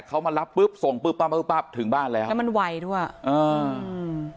เขามารับปุ๊บส่งปุ๊บปั๊บปุ๊บปั๊บถึงบ้านแล้วแล้วมันไวด้วยอ่าอืม